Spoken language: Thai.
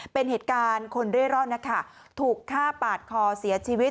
เป็นเหตุการณ์คนเร่ร่อนนะคะถูกฆ่าปาดคอเสียชีวิต